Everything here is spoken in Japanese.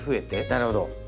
なるほど。